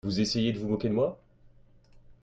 Vous essayez de vous moquer de moi ?